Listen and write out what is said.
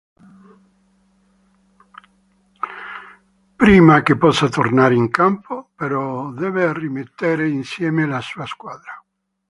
Prima che possa tornare in campo, però, deve rimettere insieme la sua squadra.